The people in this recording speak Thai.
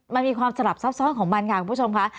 มันมีความสลับซับซ้อนของมันค่ะคุณผู้ชมค่ะ